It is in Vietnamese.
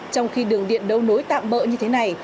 trong khi đường điện đấu nối tạm bỡ như thế này